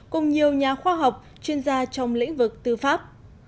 cùng nhiều nhà khoa học chuyên gia trong lĩnh vực tư pháp